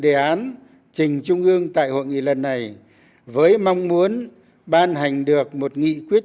đề án trình trung ương tại hội nghị lần này với mong muốn ban hành được một nghị quyết